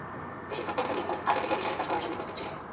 বেশির ভাগ কোম্পানি অনেক আগে থেকে মিটারের কাজ করার জন্য প্রস্তত ছিল।